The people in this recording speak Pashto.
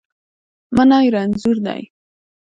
منی رنځور دی